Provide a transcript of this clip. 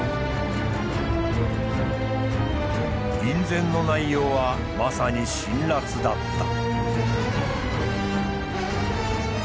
院宣の内容はまさに辛辣だった。